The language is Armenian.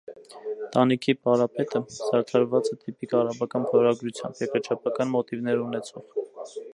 Տանիքի պարապետը զարդարված է տիպիկ արաբական փորագրությամբ՝ երկրաչափական մոտիվներ ունեցող։